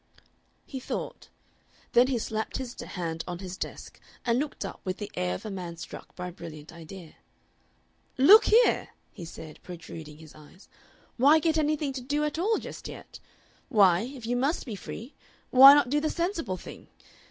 He thought. Then he slapped his hand on his desk and looked up with the air of a man struck by a brilliant idea. "Look here," he said, protruding his eyes; "why get anything to do at all just yet? Why, if you must be free, why not do the sensible thing?